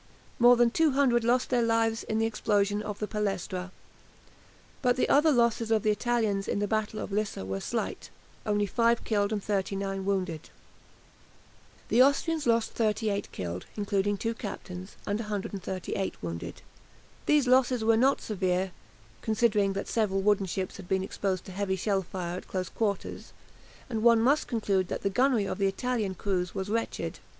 More than 200 lost their lives in the explosion of the "Palestra," but the other losses of the Italians in the Battle of Lissa were slight, only 5 killed and 39 wounded. The Austrians lost 38 killed (including two captains) and 138 wounded. These losses were not severe, considering that several wooden ships had been exposed to heavy shell fire at close quarters, and one must conclude that the gunnery of the Italian crews was wretched.